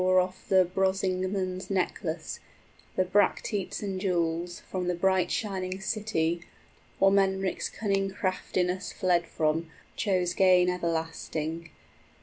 } Since Hama off bore the Brosingmen's necklace, The bracteates and jewels, from the bright shining city, Eormenric's cunning craftiness fled from, 10 Chose gain everlasting.